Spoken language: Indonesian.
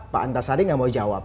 pak antasari nggak mau jawab